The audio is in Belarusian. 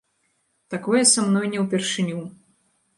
Такое са мной не ўпершыню.